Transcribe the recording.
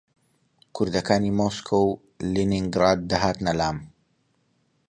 کوردەکانی مۆسکۆ و لینینگراد دەهاتنە لام